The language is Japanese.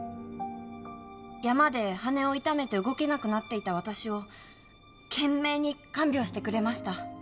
山で羽を痛めて動けなくなっていた私を懸命に看病してくれました。